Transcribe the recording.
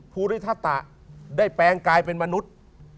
ภูริทะตะได้แปลงกลายเป็นมนุษย์